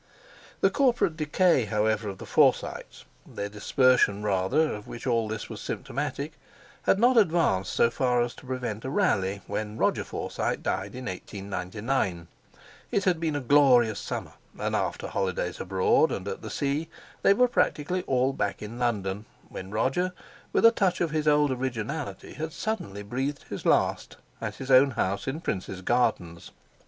The corporate decay, however, of the Forsytes, their dispersion rather, of which all this was symptomatic, had not advanced so far as to prevent a rally when Roger Forsyte died in 1899. It had been a glorious summer, and after holidays abroad and at the sea they were practically all back in London, when Roger with a touch of his old originality had suddenly breathed his last at his own house in Princes Gardens.